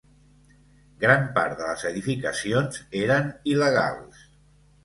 Gran part de les edificacions eren il·legals.